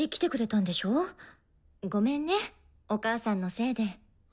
ごめんねお母さんのせいで。